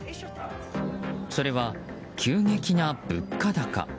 それは、急激な物価高。